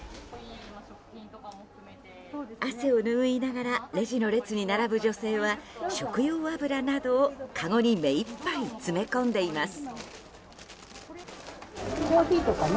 汗を拭いながらレジの列に並ぶ女性は食用油などをかごに目いっぱい詰め込んでいます。